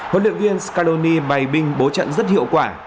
huấn luyện viên scarony bày binh bố trận rất hiệu quả